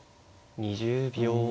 ２０秒。